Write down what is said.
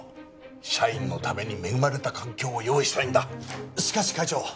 社員のために恵まれた環境を用意したいんだしかし会長！